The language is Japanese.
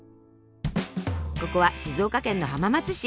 ここは静岡県の浜松市。